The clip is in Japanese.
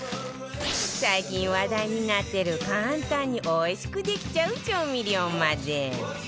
最近話題になってる簡単においしくできちゃう調味料まで